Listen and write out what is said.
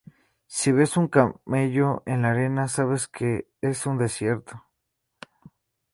Si ves un camello en la arena, sabes que es un desierto.